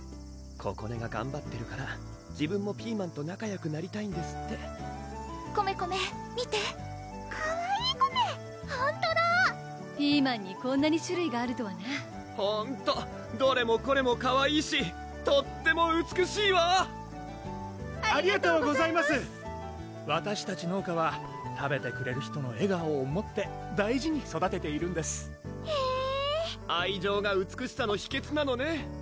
ここねががんばってるから自分もピーマンと仲よくなりたいんですってコメコメ見てかわいいコメほんとだピーマンにこんなに種類があるとはなほんとどれもこれもかわいいしとっても美しいわありがとうございますわたしたち農家は食べてくれる人の笑顔を思って大事に育てているんですへぇ愛情が美しさの秘訣なのね